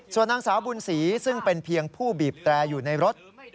ส่วนนางสาวบุญศรีซึ่งเป็นเพียงผู้บีบแตรอยู่ในรถ